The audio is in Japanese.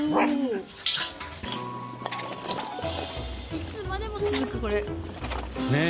いつまでも続くこれ。